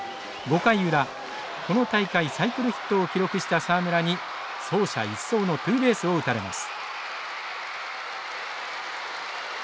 ５回裏この大会サイクルヒットを記録した沢村に走者一掃のツーベースを打たれます。